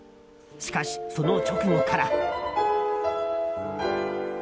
しかし、その直後から。